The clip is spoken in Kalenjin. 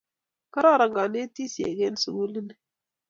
Kororon kanetisyek eng' sukuli ni